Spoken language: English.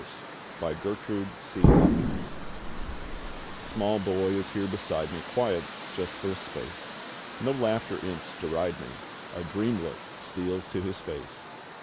] ll'feroas Small Boy is here beside me — Quiet, just for a space — No laughter imps deride me; A dream look steals to his face.